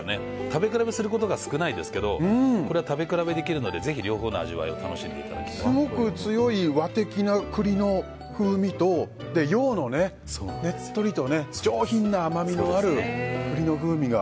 食べ比べすることが少ないですけどこれは食べ比べできるのでぜひ両方の味わいをすごく強い和的な栗の風味と洋の、ねっとりと上品な甘みのある栗の風味が。